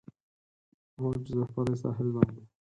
موج ځپلي ساحل باندې